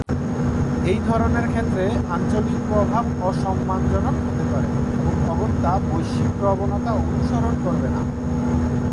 এই ধরনের ক্ষেত্রে, আঞ্চলিক প্রভাব অসম্মানজনক হতে পারে এবং অগত্যা বৈশ্বিক প্রবণতা অনুসরণ করবে না।